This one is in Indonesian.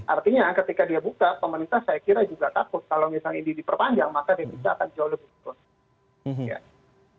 artinya ketika dia buka pemerintah saya kira juga takut kalau misalnya ini diperpanjang maka debitnya akan jauh lebih turun